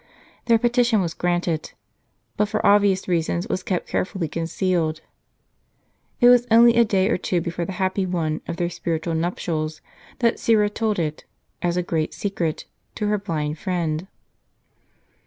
Their petition was granted ; but for obvious reasons w'as kept carefully concealed. It was only a day or two before the happy one of their spiritual nup tials, that Syra told it, as a great secret, to her blind friend.